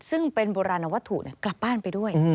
ซึ่งเป็นโบราณวัตถุกลับบ้านไปด้วย